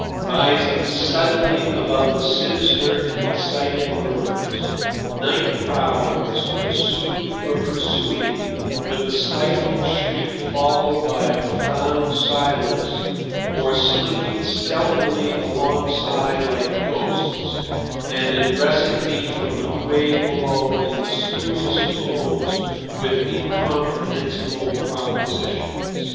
rising suddenly above the sinister and excited murmurs; night prowlers, pursued or pursuing, with a stifled shriek followed by a profound silence, or slinking stealthily alongside like ghosts, and addressing me from the quay below in mysterious tones with incomprehensible propositions.